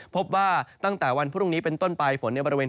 พบว่าตั้งแต่วันพรุ่งนี้เป็นต้นไปฝนในบริเวณ